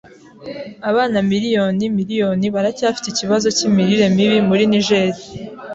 Abana miliyoni miriyoni baracyafite ikibazo cyimirire mibi muri Niger.